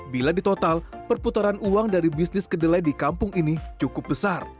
bila di total perputaran uang dari bisnis kedelai di kampung ini cukup besar